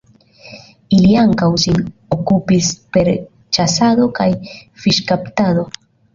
Ili ankaŭ sin okupis per ĉasado kaj fiŝkaptado.